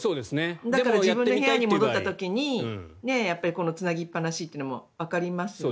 だから自分の部屋に戻った時につなぎっぱなしというのもわかりますよね。